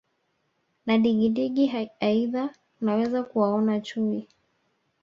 na digidigi Aidha unaweza kuwaona chui